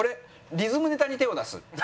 「リズムネタに手を出す」。